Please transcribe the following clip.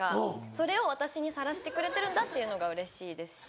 それを私にさらしてくれてるんだっていうのがうれしいですし。